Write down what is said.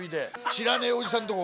知らねえおじさんとこ。